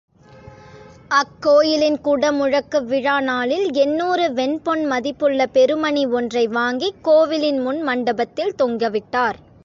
அக்கோயிலின் குடமுழக்கு விழா நாளில் எண்ணுாறு வெண்பொன் மதிப்புள்ள பெருமனி ஒன்றை வாங்கிக் கோவிலின் முன் மண்டபத்தில் தொங்கவிட்டார்.